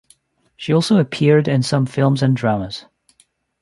She also appeared in some films and dramas.